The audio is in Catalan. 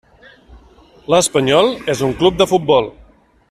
L'Espanyol és un club de futbol.